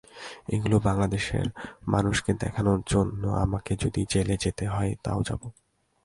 ওগুলো বাংলাদেশের মানুষকে দেখানোর জন্য আমাকে যদি জেলে যেতে হয়, তা-ও যাব।